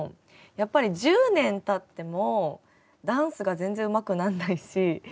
やっぱり１０年たってもダンスが全然うまくなんないし。